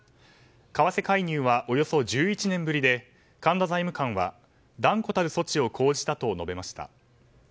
為替介入はおよそ１１年ぶりで財務官は断固たる措置を講じたと述べました。